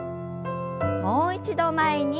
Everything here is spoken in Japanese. もう一度前に。